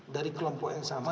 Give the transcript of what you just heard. dari kelompok yang sama